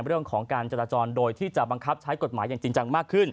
เรื่องของการจราจรโดยที่จะบังคับใช้กฎหมายอย่างจริงจังมากขึ้น